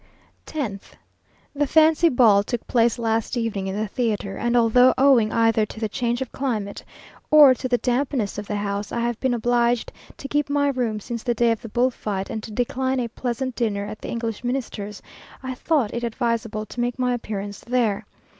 10th. The fancy ball took place last evening in the theatre, and although, owing either to the change of climate, or to the dampness of the house, I have been obliged to keep my room since the day of the bull fight, and to decline a pleasant dinner at the English Minister's, I thought it advisable to make my appearance there.